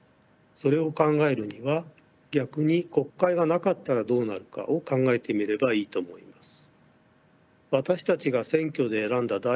それを考えるには逆に国会がなかったらどうなるかを考えてみればいいと思います。